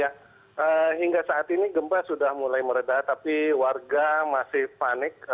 ya hingga saat ini gempa sudah mulai meredah tapi warga masih panik